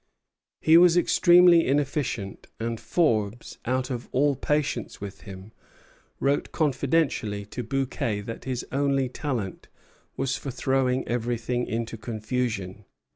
He was extremely inefficient; and Forbes, out of all patience with him, wrote confidentially to Bouquet that his only talent was for throwing everything into confusion.